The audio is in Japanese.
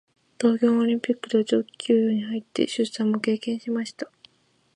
東京オリンピックでは長期休養に入って出産も経験しました。